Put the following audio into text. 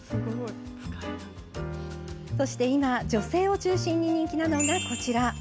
そして、今、女性を中心に人気なのがこちら。